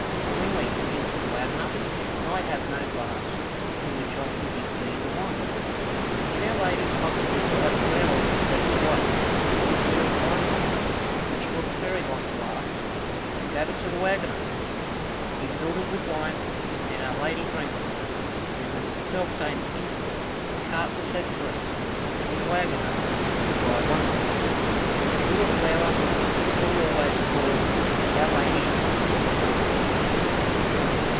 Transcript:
"Willingly," answered the waggoner, "but I have no glass in which I can give thee the wine." Then Our Lady plucked a little white flower with red stripes, called field bindweed, which looks very like a glass, and gave it to the waggoner. He filled it with wine, and then Our Lady drank it, and in the self same instant the cart was set free, and the waggoner could drive onwards. The little flower is still always called Our Lady's Little Glass.